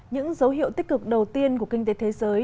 những dấu hiệu tích cực đầu tiên của kinh tế thế giới